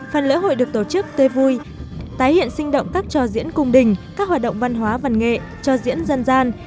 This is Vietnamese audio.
phần lễ hội được tổ chức tươi vui tái hiện sinh động các trò diễn cung đình các hoạt động văn hóa văn nghệ cho diễn dân gian